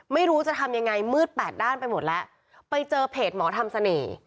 ไม่รู้จะทำยังไงมืดแปดด้านไปหมดแล้วไปเจอเพจหมอทำเสน่ห์